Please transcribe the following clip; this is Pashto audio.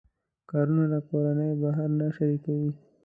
کارونه له کورنۍ بهر نه شریکوي.